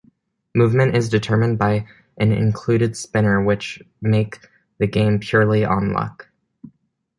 Movement is determined by an included spinner which make the game purely on luck.